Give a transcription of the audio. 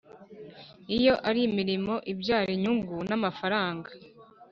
Iyo ari imirimo ibyara inyungu n amafaranga